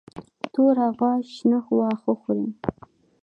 توره غوا شنه واښه خوري.